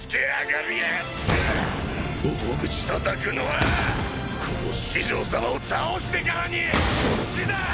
大口たたくのはこの式尉さまを倒してからにしな！！